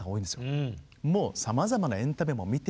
もうさまざまなエンタメも見てきている。